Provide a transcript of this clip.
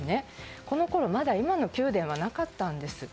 このころまだ今の宮殿はなかったんです。